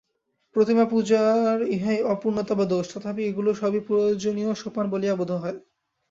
প্রতিমাপূজার ইহাই অপূর্ণতা বা দোষ, তথাপি এগুলি সবই প্রয়োজনীয় সোপান বলিয়া বোধ হয়।